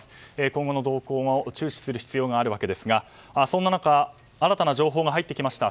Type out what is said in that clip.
今後の動向を注視する必要があるわけですがそんな中新たな情報が入ってきました。